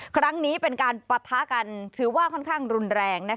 ครั้งนี้เป็นการปะทะกันถือว่าค่อนข้างรุนแรง